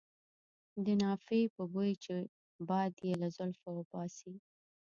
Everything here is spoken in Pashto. د نافې په بوی چې باد یې له زلفو وباسي.